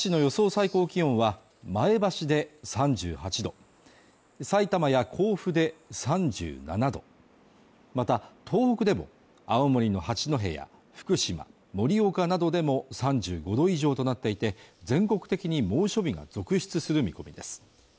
最高気温は前橋で３８度さいたまや甲府で３７度また東北でも青森の八戸や福島、盛岡などでも３５度以上となっていて全国的に猛暑日が続出する見込みです